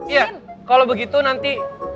iya kalau begitu nanti